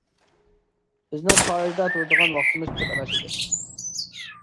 بىزنىڭ پارىژدا تۇرىدىغان ۋاقتىمىز كۆپ ئەمەس ئىدى.